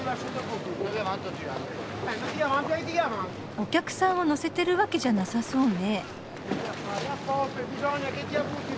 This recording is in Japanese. お客さんを乗せてるわけじゃなさそうね？